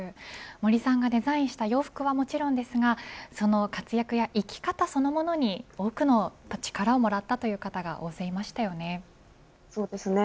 森さんがデザインした洋服はもちろんですがその活躍や生き方そのものに多くの力をもらったという方が大勢いましたよね。